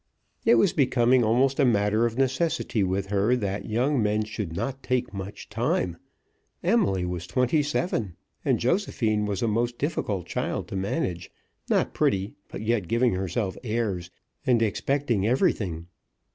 It was becoming almost a matter of necessity with her that young men should not take much time. Emily was twenty seven, and Josephine was a most difficult child to manage, not pretty, but yet giving herself airs and expecting everything.